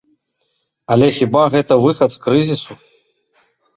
Але хіба гэта выхад з крызісу?